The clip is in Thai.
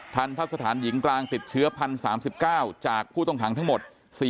ทันทะสถานหญิงกลางติดเชื้อ๑๐๓๙จากผู้ต้องขังทั้งหมด